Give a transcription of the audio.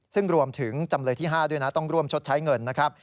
ซึ่งรวมถึงจำเลยที่๕ด้วยนะต้องร่วมชดใช้เงินนะครับ